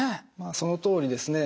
そのとおりですね。